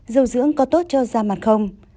dầu dưỡng có tốt cho da mặt không